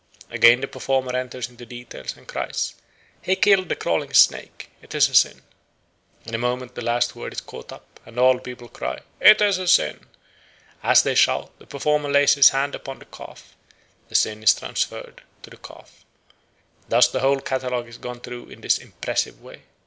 Again the performer enters into details, and cries, 'He killed the crawling snake. It is a sin.' In a moment the last word is caught up, and all the people cry 'It is a sin.' As they shout, the performer lays his hand upon the calf. The sin is transferred to the calf. Thus the whole catalogue is gone through in this impressive way.